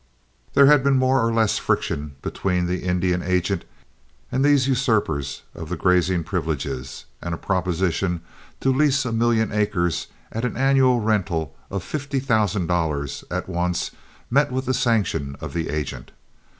There had been more or less friction between the Indian agent and these usurpers of the grazing privileges, and a proposition to lease a million acres at an annual rental of fifty thousand dollars at once met with the sanction of the agent.